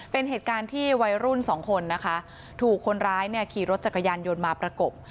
เป็นเหตุการณ์ที่วัยรุ่นสองคนนะคะถูกคนร้ายเนี่ยขี่รถจักรยานยนต์มาประกบ